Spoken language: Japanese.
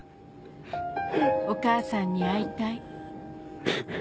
「お母さんに会いたい」